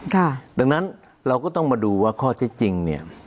ดังนั้นเราก็ต้องมาดูว่าข้อเจ็ดจริง